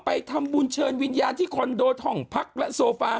มาทำบวนเชิญวิญญาณที่คอลโดสะข้ำห้องพักและซอฟ้า